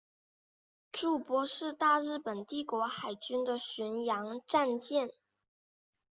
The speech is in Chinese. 筑波是大日本帝国海军的巡洋战舰。